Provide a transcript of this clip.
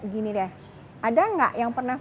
gini deh ada nggak yang pernah